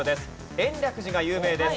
延暦寺が有名です。